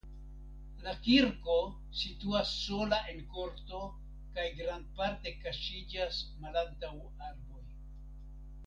La kirko situas sola en korto kaj grandparte kaŝiĝas malantaŭ arboj.